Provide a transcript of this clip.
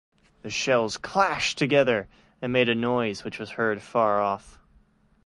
The shells clashed together and made a noise which was heard far off.